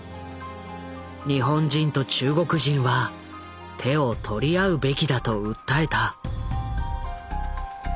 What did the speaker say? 日本人と中国人は手を取り合うべきだと訴えた。